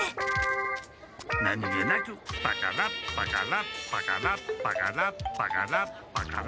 何気なくパカラパカラパカラパカラパカラパカラ。